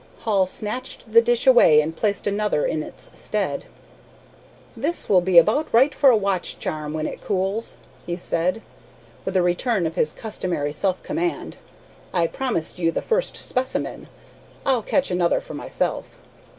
Hall snatched the dish away, and placed another in its stead. "This will be about right for a watch charm when it cools," he said, with a return of his customary self command. "I promised you the first specimen. I'll catch another for myself."